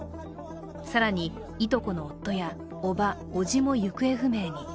更に、いとこの夫やおば、おじも行方不明に。